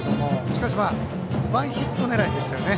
しかし、ワンヒット狙いでしたね